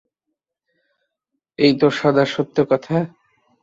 এই তো সদা সত্য কথা।